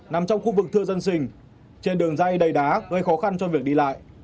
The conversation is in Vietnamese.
nằm trong khu vực thưa dân sinh trên đường dây đầy đá gây khó khăn cho việc đi lại